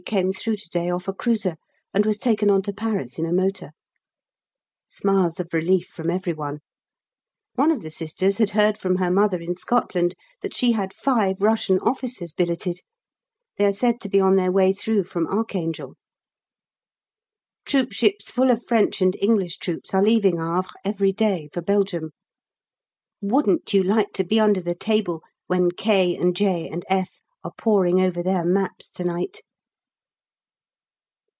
came through to day off a cruiser, and was taken on to Paris in a motor. Smiles of relief from every one. One of the Sisters had heard from her mother in Scotland that she had five Russian officers billeted! They are said to be on their way through from Archangel. Troopships full of French and English troops are leaving Havre every day, for Belgium. Wouldn't you like to be under the table when K. and J. and F. are poring over their maps to night?